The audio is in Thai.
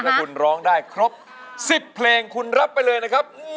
ถ้าคุณร้องได้ครบ๑๐เพลงคุณรับไปเลยนะครับ